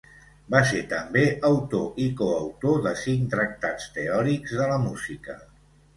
Va ser també autor i coautor de cinc tractats teòrics de la música.